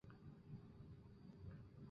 沮渠蒙逊乘胜包围姑臧。